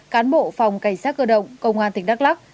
cán bộ phòng cảnh sát cơ động công an tỉnh đắk lắc